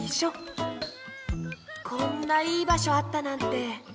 こんないいばしょあったなんて。